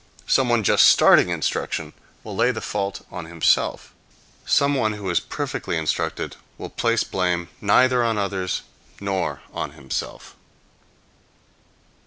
Someone just starting instruction will lay the fault on himself. Some who is perfectly instructed will place blame neither on others nor on himself.